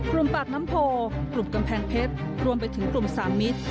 ปากน้ำโพกลุ่มกำแพงเพชรรวมไปถึงกลุ่มสามมิตร